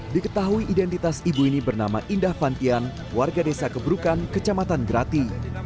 diketahui identitas ibu ini bernama indah vantian warga desa kebrukan kecamatan grati